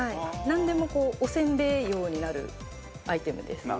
なんでもおせんべい用になるアイテムです。